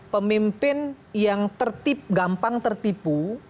pemimpin yang gampang tertipu